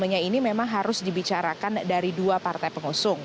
yang harus dibicarakan dari dua partai pengusung